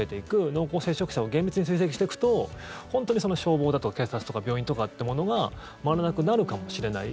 濃厚接触者を厳密に追跡していくと本当に消防だとか警察とか病院とかってものが回らなくなるかもしれない。